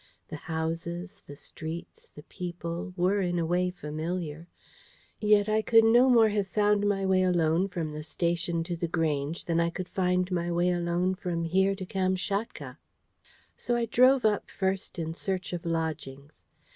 The houses, the streets, the people, were in a way familiar; yet I could no more have found my way alone from the station to The Grange than I could find my way alone from here to Kamschatka. So I drove up first in search of lodgings.